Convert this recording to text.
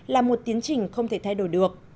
là một tiến trình không thể thay đổi được